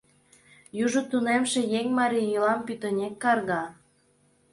— Южо тунемше еҥ марий йӱлам пӱтынек карга.